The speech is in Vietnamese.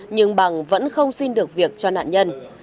nhưng bằng vẫn không xin được việc cho nạn nhân